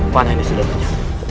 mana ini seluruhnya